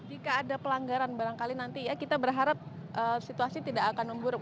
jika ada pelanggaran barangkali nanti ya kita berharap situasi tidak akan memburuk